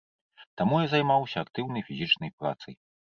Таму я займаўся актыўнай фізічнай працай.